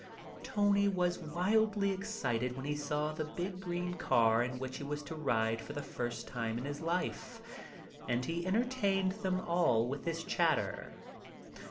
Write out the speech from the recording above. Tony was wildly excited when he saw the big green car in which he was to ride for the first time in his short life, and he entertained them all with his chatter.